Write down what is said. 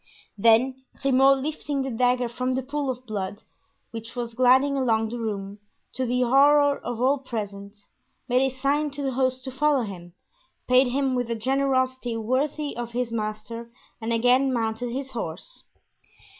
Then Grimaud, lifting the dagger from the pool of blood which was gliding along the room, to the horror of all present, made a sign to the host to follow him, paid him with a generosity worthy of his master and again mounted his horse.